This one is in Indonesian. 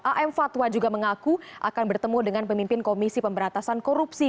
a m fatwa juga mengaku akan bertemu dengan pemimpin komisi pemberantasan korupsi